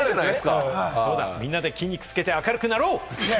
みんなで筋肉をつけて、明るくなろう！